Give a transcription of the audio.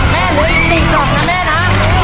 แม่เหลืออีก๔กล่องนะแม่นะ